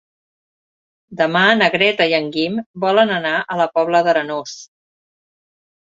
Demà na Greta i en Guim volen anar a la Pobla d'Arenós.